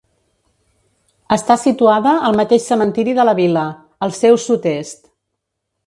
Està situada al mateix cementiri de la vila, al seu sud-est.